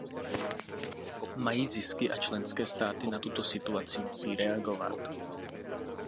Mají zisky a členské státy na tuto situaci musí reagovat.